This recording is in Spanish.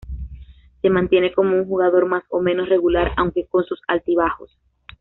Se mantiene como un jugador más o menos regular aunque con sus altibajos.